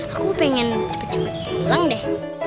aku pengen cepet cepet pulang deh